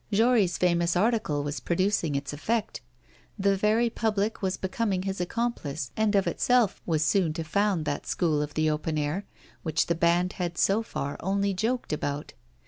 Jory's famous article was producing its effect; the very public was becoming his accomplice, and of itself was soon to found that school of the open air, which the band had so far only joked about.